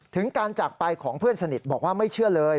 ถึงการจากไปของเพื่อนสนิทบอกว่าไม่เชื่อเลย